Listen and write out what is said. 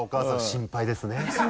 心配です